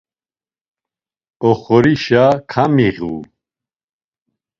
Oxorişa kamiğu.